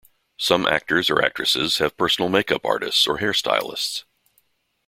Some actors or actresses have personal makeup artists or hair stylists.